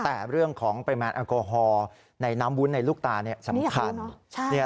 แต่เรื่องของปริมาณแอลกอฮอล์ในน้ำวุ้นในลูกตาสำคัญ